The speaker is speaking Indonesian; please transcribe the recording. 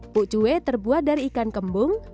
puk cue terbuat dari ikan kembung